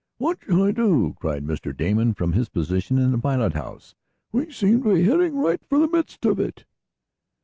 "What shall I do?" cried Mr. Damon from his position in the pilot house. "We seem to be heading right for the midst of it?"